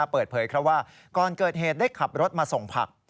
เปิดเผยว่าก่อนเกิดเหตุได้ขับรถมาส่งผัก